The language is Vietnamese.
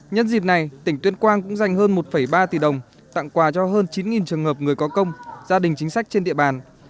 nhân dịp này tỉnh tuyên quang cũng dành hơn một ba tỷ đồng tặng quà cho hơn chín trường hợp người có công gia đình chính sách trên địa bàn